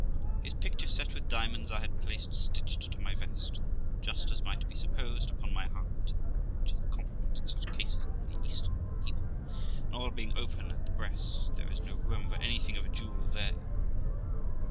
His picture set with diamonds I had placed stitched to my vest, just, as might be supposed, upon my heart (which is the compliment in such cases among the Eastern people); and all being open at the breast, there was no room for anything of a jewel there.